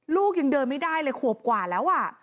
ลูกยังเดินไม่ได้เลยขวบกว่าแล้ว